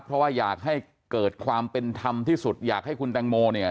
เพราะว่าอยากให้เกิดความเป็นธรรมที่สุดอยากให้คุณแตงโมเนี่ย